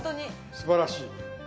すばらしい。